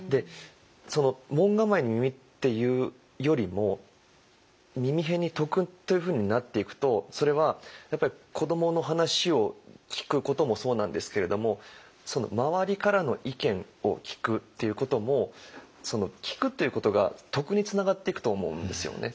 その門構えに「耳」っていうよりも耳偏に「徳」というふうになっていくとそれはやっぱり子どもの話を聴くこともそうなんですけれどもその周りからの意見を聴くっていうことも聴くということが徳につながっていくと思うんですよね。